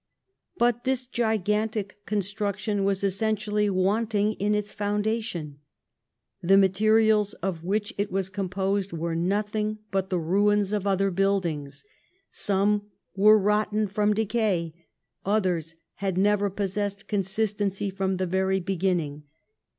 But this gigantic construction was essentially wanting in its foundation ; the materials of which it was composed were nothing but the ruins of other buildings ; some were rotten from decay, others had never possessed consistency from the very beginning.